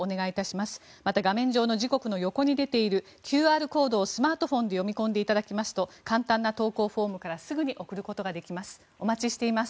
また、画面上の時刻の横に出ているＱＲコードをスマートフォンで読み込んでいただきますと簡単な投稿フォームからすぐに送ることができます。